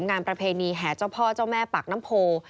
งานประเพณีแห่เจ้าพ่อเจ้าแม่ปากน้ำโพ